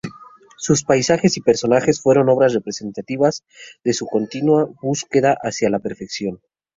Sus paisajes y personajes fueron obras representativas de su continua búsqueda hacia la perfección.